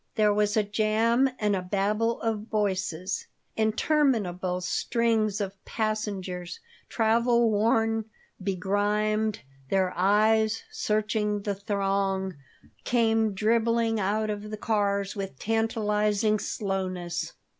There was a jam and a babel of voices. Interminable strings of passengers, travel worn, begrimed, their eyes searching the throng, came dribbling out of the cars with tantalizing slowness.